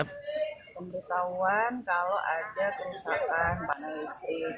pemberitahuan kalau ada kerusakan panel listrik